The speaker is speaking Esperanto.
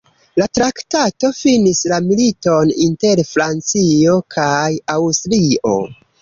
La traktato finis la militon inter Francio kaj Aŭstrio.